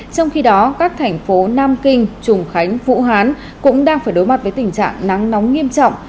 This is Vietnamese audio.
trong khi đó các thành phố nam kinh trùng khánh vũ hán cũng đang phải đối mặt với tình trạng nắng nóng nghiêm trọng